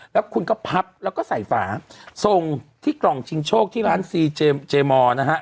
แล้วคุณก็พับแล้วก็ใส่ฝาส่งที่กล่องชิงโชคที่ร้านซีเจมอร์นะฮะ